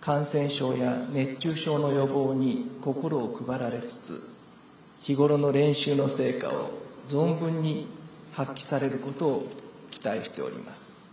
感染症や熱中症の予防に心を配られつつ、日頃の練習の成果を存分に発揮されることを期待しております。